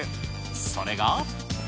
それが。